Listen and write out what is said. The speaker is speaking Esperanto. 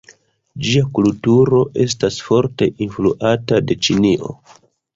Ĝia kulturo estas forte influata de Ĉinio.